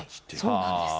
そうなんです。